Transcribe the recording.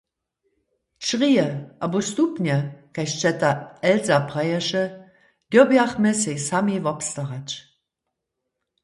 Črije abo stupnje, kaž ćeta Elza praješe, dyrbjachmy sej sami wobstarać.